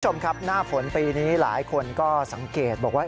คุณผู้ชมครับหน้าฝนปีนี้หลายคนก็สังเกตบอกว่า